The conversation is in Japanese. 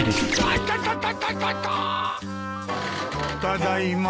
ただいま。